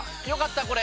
よかった